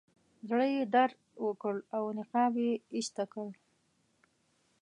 زړه یې درد وکړ او نقاب یې ایسته کړ.